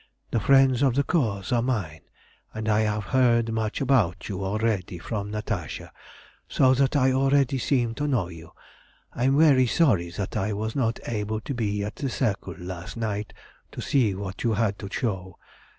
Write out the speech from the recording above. The friends of the Cause are mine, and I have heard much about you already from Natasha, so that I already seem to know you. I am very sorry that I was not able to be at the Circle last night to see what you had to show.